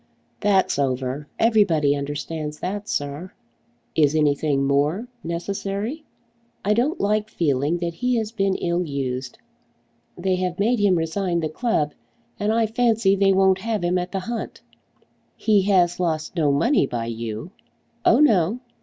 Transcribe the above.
"That's over. Everybody understands that, sir." "Is anything more necessary?" "I don't like feeling that he has been ill used. They have made him resign the club, and I fancy they won't have him at the hunt." "He has lost no money by you?" "Oh no."